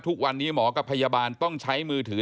ทุกวันนี้หมอกับพยาบาลต้องใช้มือถือ